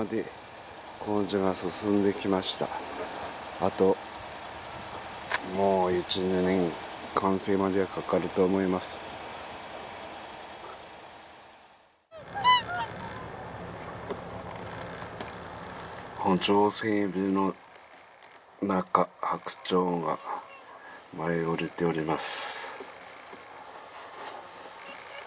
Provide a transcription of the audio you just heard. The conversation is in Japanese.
あともう１２年完成まではかかると思います圃場整備の中白鳥が舞い降りております